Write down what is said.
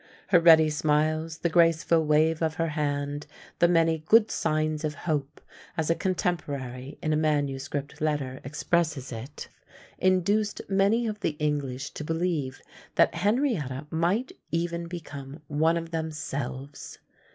Her ready smiles, the graceful wave of her hand, the many "good signs of hope," as a contemporary in a manuscript letter expresses it, induced many of the English to believe that Henrietta might even become one of themselves!